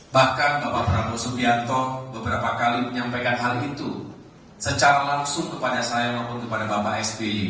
bahkan bapak prabowo subianto beberapa kali menyampaikan hal itu secara langsung kepada saya maupun kepada bapak sby